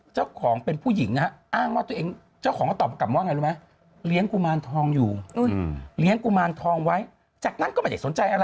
เจ้าของเป็นผู้หญิงนะฮะ